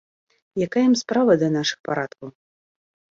Якая ім справа да нашых парадкаў.